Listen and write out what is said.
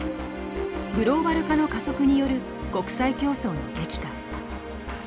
グローバル化の加速による国際競争の激化。